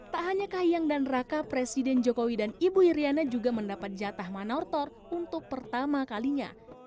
tak hanya kahiyang dan raka presiden jokowi dan ibu iryana juga mendapat jatah manortor untuk pertama kalinya